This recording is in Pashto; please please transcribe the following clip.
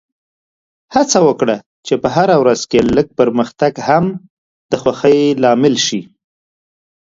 هڅه وکړه چې په هره ورځ کې لږ پرمختګ هم د خوښۍ لامل شي.